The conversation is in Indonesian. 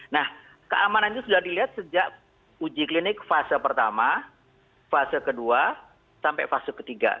nah keamanan itu sudah dilihat sejak uji klinik fase pertama fase kedua sampai fase ketiga